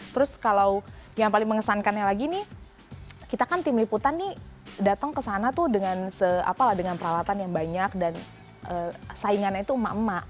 terus kalau yang paling mengesankannya lagi nih kita kan tim liputan nih datang ke sana tuh dengan peralatan yang banyak dan saingannya itu emak emak